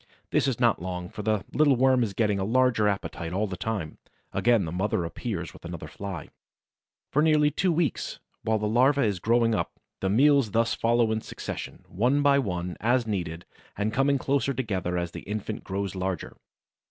This is not long, for the little worm is getting a larger appetite all the time. Again the mother appears with another Fly. For nearly two weeks, while the larva is growing up, the meals thus follow in succession, one by one, as needed, and coming closer together as the infant grows larger.